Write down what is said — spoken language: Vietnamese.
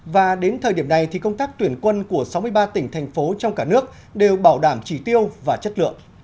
và đến thời điểm này thì công tác tuyển quân của sáu mươi ba tỉnh thành phố trong cả nước đều bảo đảm chỉ tiêu và chất lượng